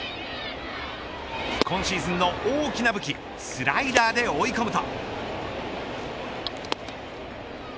今シーズンの大きな武器スライダーで追い込むと。